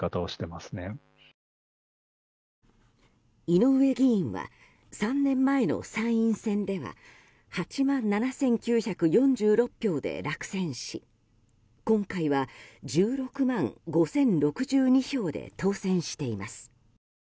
井上議員は３年前の参院選では８万７９４６票で落選し今回は１６万５０６２票で当選しています。